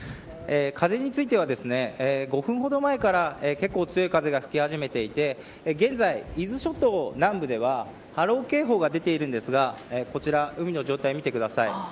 風については５分ほど前から結構、強い風が吹き始めていて現在、伊豆諸島南部では波浪警報が出ているんですがこちら海の状態を見てください。